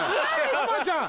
珠ちゃん！